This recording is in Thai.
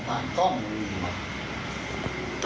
แบบนี้คือนี้แน่มีส่วนอีกพวก